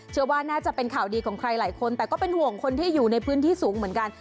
เชื่อว่าน่าจะเป็นข่าวดีของใครหลายคนแต่ก็เป็นห่วงคนที่อยู่ในพื้นที่สูงเหมือนกัน